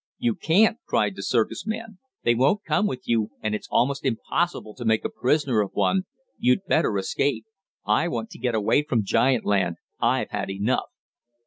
"You can't!" cried the circus man. "They won't come with you, and it's almost impossible to make a prisoner of one. You'd better escape. I want to get away from giant land. I've had enough."